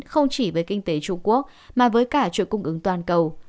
không chỉ về kinh tế trung quốc mà với cả chuỗi cung ứng toàn cầu